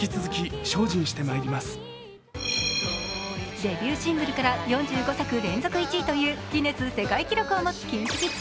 デビューシングルから４５作連続１位というギネス世界記録を持つＫｉｎＫｉＫｉｄｓ。